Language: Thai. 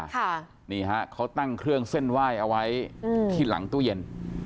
ค่ะนี่ฮะเขาตั้งเครื่องเส้นไหว้เอาไว้อืมที่หลังตู้เย็น